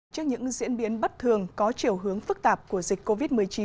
trước những diễn biến bất thường có chiều hướng phức tạp của dịch covid một mươi chín